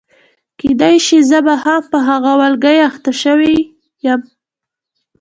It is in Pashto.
کېدای شي زه به هم په هغه والګي اخته شوې یم.